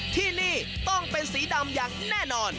ที่นี่ต้องเป็นสีดำอย่างแน่นอน